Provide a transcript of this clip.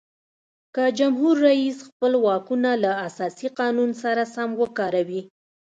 که جمهور رئیس خپل واکونه له اساسي قانون سره سم وکاروي.